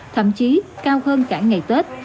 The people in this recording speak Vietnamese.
thậm chí cao hơn cả ngày tết